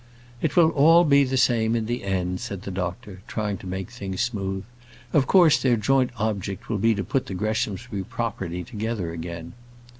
"It will all be the same in the end," said the doctor, trying to make things smooth. "Of course, their joint object will be to put the Greshamsbury property together again."